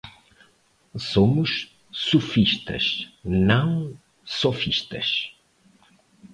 Somos sufistas, não sofistas